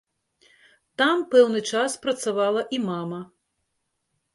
Там пэўны час працавала і мама.